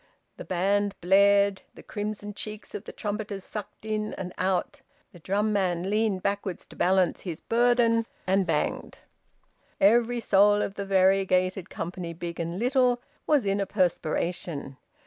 The band blared; the crimson cheeks of the trumpeters sucked in and out; the drummer leaned backwards to balance his burden, and banged. Every soul of the variegated company, big and little, was in a perspiration.